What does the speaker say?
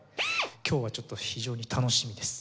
今日はちょっと非常に楽しみです。